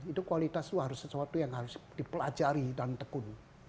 itu kualitas itu harus sesuatu yang harus dipelajari dan tekun